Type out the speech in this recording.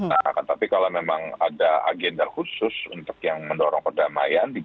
nah akan tetapi kalau memang ada agenda khusus untuk yang mendorong kedamaian di g dua puluh